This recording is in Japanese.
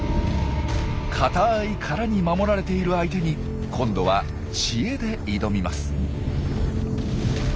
硬い殻に守られている相手に今度は知恵で挑みます。